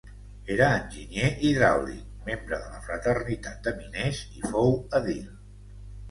Era enginyer hidràulic, membre de la fraternitat de miners i fou edil.